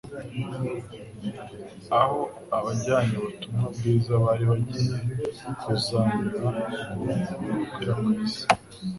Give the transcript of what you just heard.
aho abajyanye ubutumwa bwiza bari bagiye kuzanyura ngo babukwirakwize